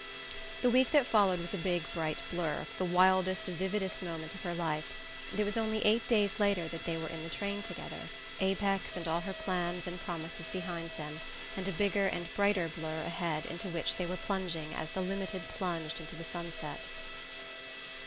The week that followed was a big bright blur the wildest vividest moment of her life. And it was only eight days later that they were in the train together, Apex and all her plans and promises behind them, and a bigger and brighter blur ahead, into which they were plunging as the "Limited" plunged into the sunset....